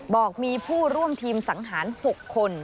บอกมีผู้ร่วมทีมสังหาร๖คน